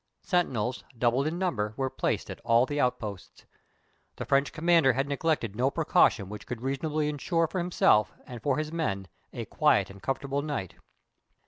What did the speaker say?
Sentinels, doubled in number, were placed at all the outposts. The French commander had neglected no precaution which could reasonably insure for himself and for his men a quiet and comfortable night.